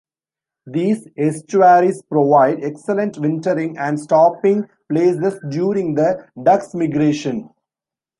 These estuaries provide excellent wintering and stopping places during the ducks' migration.